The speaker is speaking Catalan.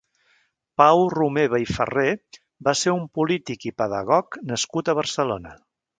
Pau Romeva i Ferrer va ser un polític i pedagog nascut a Barcelona.